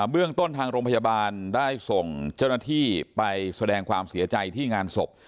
เรื่องต้นทางโรงพยาบาลได้ส่งเจ้าหน้าที่ไปแสดงความเสียใจที่งานศพ